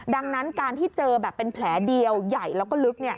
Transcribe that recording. ดังนั้นการที่เจอแบบเป็นแผลเดียวใหญ่แล้วก็ลึก